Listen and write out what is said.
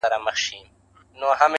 پر نغمو پر زمزمو چپاو راغلى!